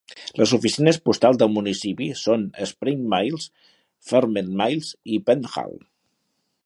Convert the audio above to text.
Les oficines postals del municipi són Spring Mills, Farmers Mills i Penn Hall.